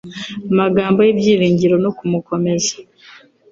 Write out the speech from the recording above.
amagambo y'ibyiringiro no kumukomeza.